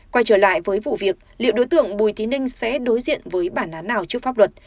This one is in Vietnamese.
quay trở lại với vụ việc liệu đối tượng bùi thị ninh sẽ đối diện với bản án nào trước pháp luật